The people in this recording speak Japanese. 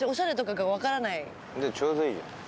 じゃあちょうどいいじゃん。